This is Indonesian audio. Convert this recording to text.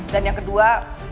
dan yang kedua